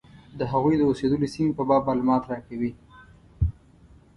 د هغوی د اوسېدلو سیمې په باب معلومات راکوي.